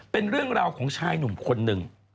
เป็นเรื่องราวของชายหนุ่มคนหนึ่ง